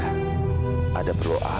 dia tidak pernah menyentuh aini